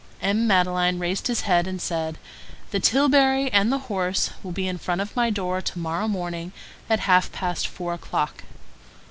M. Madeleine raised his head and said:— "The tilbury and the horse will be in front of my door to morrow morning at half past four o'clock."